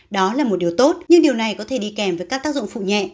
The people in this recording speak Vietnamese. đó là một điều tốt nhưng điều này có thể đi kèm với các tác dụng phụ nhẹ